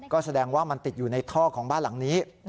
ก็แสดงว่ามันติดอยู่ในท่อของบ้านหลังนี้